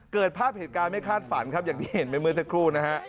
เกิดภาพเหตุการณ์ไม่คาดฝันครับอย่างที่เห็นไปเมื่อสักครู่นะฮะ